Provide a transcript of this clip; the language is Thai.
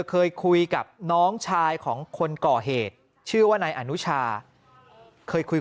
เคยคุยกับน้องชายของคนก่อเหตุชื่อว่านายอนุชาเคยคุย